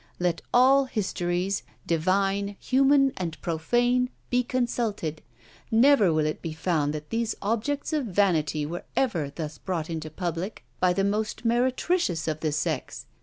Let all histories, divine, human, and profane, be consulted; never will it be found that these objects of vanity were ever thus brought into public by the most meretricious of the sex.